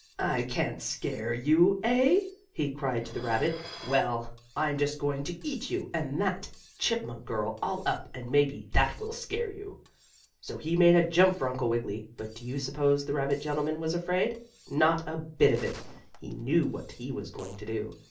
"I can't scare you; eh?" he cried to the rabbit. "Well, I'm just going to eat you, and that chipmunk girl all up, and maybe that will scare you!" So he made a jump for Uncle Wiggily, but do you s'pose the rabbit gentleman was afraid? Not a bit of it. He knew what he was going to do.